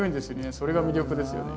それが魅力ですよね。